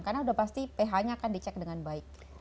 karena sudah pasti ph nya akan dicek dengan baik